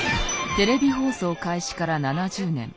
テレビ放送開始から７０年。